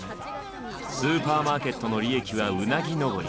スーパーマーケットの利益はうなぎ登り。